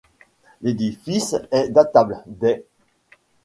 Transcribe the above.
L'édifice est datable des -.